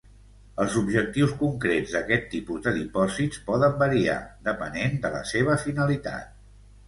Els objectius concrets d'aquest tipus de dipòsits poden variar, depenent de la seva finalitat.